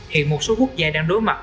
hiện một số quốc gia đang đối mặt